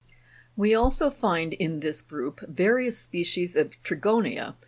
We also find in this group various species of Trigo'nia, (fig.